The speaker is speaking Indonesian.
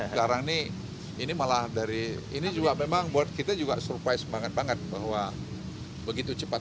sekarang ini ini malah dari ini juga memang buat kita juga surprise semangat banget bahwa begitu cepat